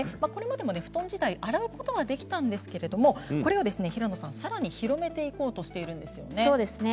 これまでも布団自体を洗うことはできたんですけれどもこれを、さらに広めていこうとしているんですよね。